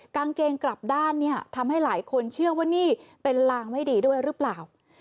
กางเกงกลับด้านเนี่ยทำให้หลายคนเชื่อว่านี่เป็นลางไม่ดีด้วยหรือเปล่า